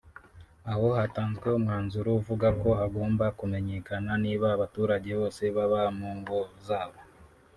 aho hatanzwe umwanzuro uvuga ko hagomba kumenyekana niba abaturage bose baba mu ngo zabo